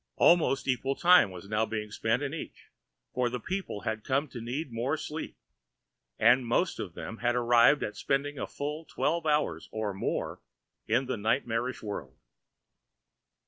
Almost equal time was now spent in each, for the people had come to need more sleep and most of them had arrived at spending a full twelve hours or more in the nightmarish world.